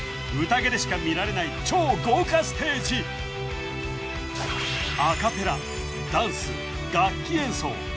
でしか見られない超豪華ステージアカペラ・ダンス・楽器演奏